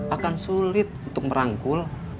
akan sulit untuk meranggul